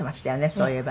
そういえば。